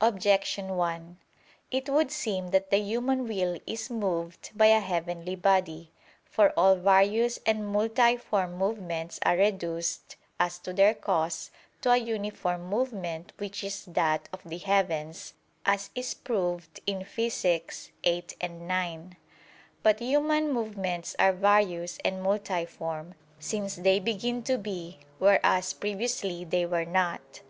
Objection 1: It would seem that the human will is moved by a heavenly body. For all various and multiform movements are reduced, as to their cause, to a uniform movement which is that of the heavens, as is proved in Phys. viii, 9. But human movements are various and multiform, since they begin to be, whereas previously they were not.